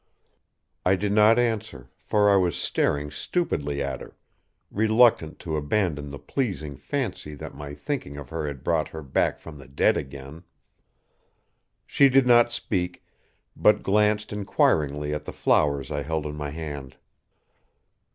I did not answer, for I was staring stupidly at her, reluctant to abandon the pleasing fancy that my thinking of her had brought her back from the dead again. She did not speak, but glanced inquiringly at the flowers I held in my hand.